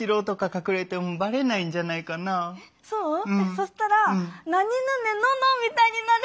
そしたら「なにぬねのの」みたいになるってこと？